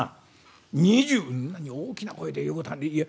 「そんなに大きな声で言うことはねえや。